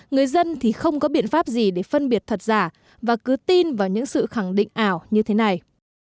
người dân thì không có biện pháp gì để phân biệt thật giả và cứ tin vào những sự khẳng định ảo như thế này